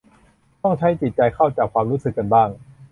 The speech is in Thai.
ต้องใช้จิตใจเข้าจับความรู้สึกกันบ้าง